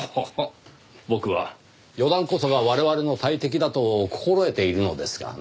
僕は予断こそが我々の大敵だと心得ているのですがねぇ。